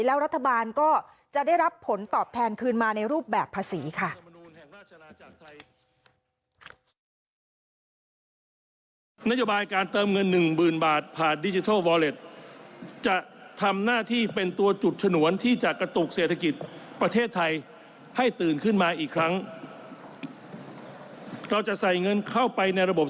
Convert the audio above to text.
แล้วรัฐบาลก็จะได้รับผลตอบแทนคืนมาในรูปแบบภาษีค่ะ